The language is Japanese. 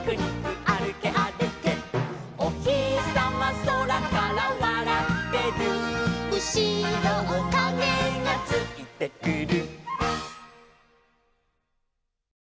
「おひさまそらからわらってる」「うしろをかげがついてくる」